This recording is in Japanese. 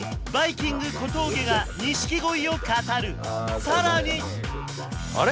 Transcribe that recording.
きんぐ小峠が錦鯉を語るさらにあれ？